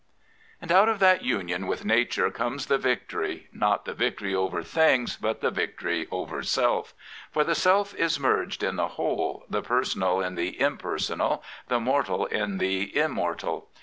And out of that union with Nature comes the victory — not the victory over things, but the victory over self. For the self is merged in the whole, the personal in the impersonal, the mortal in the immortal.